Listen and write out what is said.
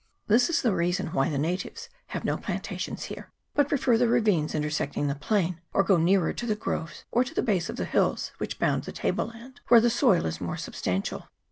This is the reason why the natives have no plantations here, but pre fer the ravines intersecting the plain, or go nearer to the groves, or to the base of the hills which bound the table land, where the soil is more sub stantial.